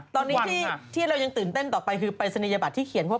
ตอนนี้ที่เรายังตื่นเต้นต่อไปคือปรายศนียบัตรที่เขียนเพราะ